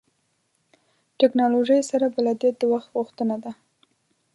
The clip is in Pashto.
ټکنالوژۍ سره بلدیت د وخت غوښتنه ده.